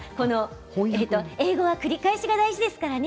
英語は繰り返しが大事ですからね。